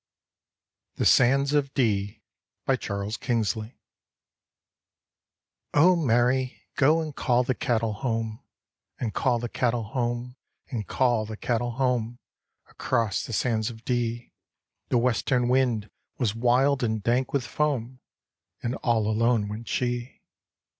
THE SANDS OF DEE : Charles kingsley " O Mary, go and call the cattle home. And call the cattle home. And call the cattle home, Across the sands of Dee !" The western wind was wild and dank wi' foam. And all alone went she.